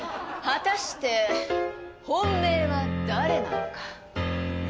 果たして本命は誰なのか？